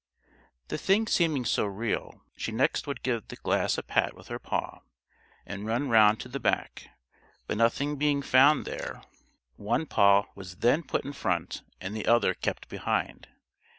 The thing seeming so real, she next would give the glass a pat with her paw, and run round to the back; but nothing being found there, one paw was then put in front and the other kept behind.